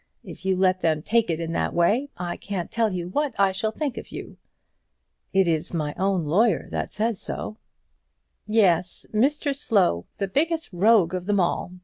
If you let them take it in that way, I can't tell you what I shall think of you." "It is my own lawyer that says so." "Yes, Mr Slow; the biggest rogue of them all.